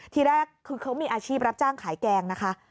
ทีแรกคือเขามีอาชีพรับจ้างขายแกงนะคะ